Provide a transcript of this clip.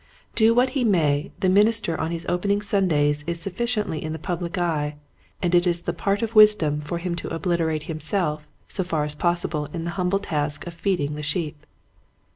Do what he may, the minister on his opening Sundays is sufficiently in the public eye, and it is the part of wisdom for him to obliterate himself so far as possible in the humble work of feeding the sheep.